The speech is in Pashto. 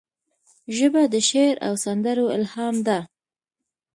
ژبه د شعر او سندرو الهام ده